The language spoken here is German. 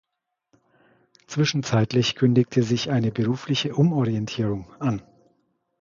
Zwischenzeitlich kündigte sich eine berufliche Umorientierung an.